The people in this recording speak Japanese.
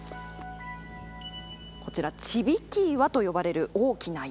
こちら千引岩と呼ばれる大きな岩。